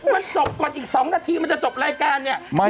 มันจบก่อนอีก๒นาทีมันจะจบรายการเนี่ย